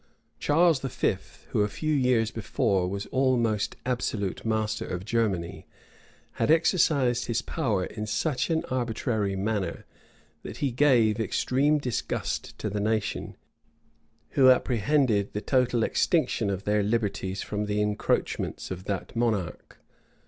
Charles V., who a few years before was almost absolute master of Germany, had exercised his power in such an arbitrary manner, that he gave extreme disgust to the nation, who apprehended the total extinction of their liberties from the encroachments of that monarch.